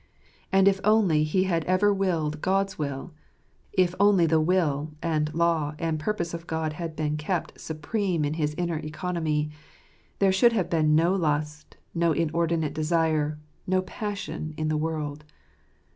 And if only he had ever willed God's will — it only the will, and law, and purpose of God had been kept supreme in his inner economy — there had been no lust, no inordinate desire, no passion, in the world.